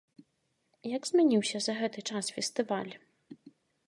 Як змяніўся за гэты час фестываль?